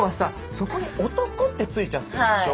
そこに男ってついちゃってるでしょ。